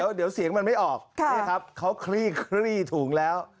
เดี๋ยวเสียงมันไม่ออกนี่ครับเขาคลี่คลี่ถุงแล้ว